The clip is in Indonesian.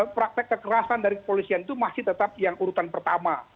praktek kekerasan dari kepolisian itu masih tetap yang urutan pertama